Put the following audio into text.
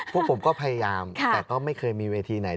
พวกผมก็พยายามแต่ก็ไม่เคยมีเวทีไหน